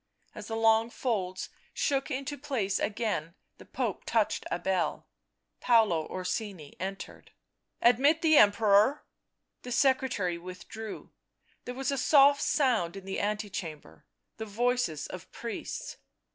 As the long folds shook into place again the Pope touched a bell. Paolo Orsini entered. " Admit the Emperor." The secretary withdrew; there was a soft sound in the ante chamber, the voices of priests.